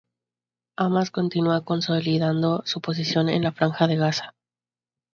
Hamas continúa consolidando su posición en la Franja de Gaza.